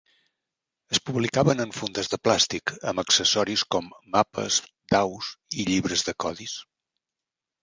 Es publicaven en fundes de plàstic amb accessoris com mapes, daus i llibres de codis.